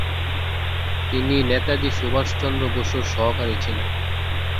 তিনি নেতাজি সুভাষচন্দ্র বসুর সহকারী ছিলেন।